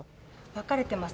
分かれてます。